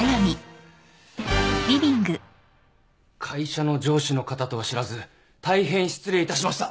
会社の上司の方とは知らず大変失礼いたしました。